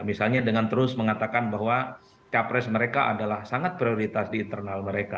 misalnya dengan terus mengatakan bahwa capres mereka adalah sangat prioritas di internal mereka